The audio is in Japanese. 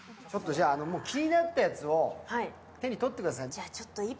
気になったやつを手にとってください。